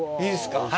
いいですか？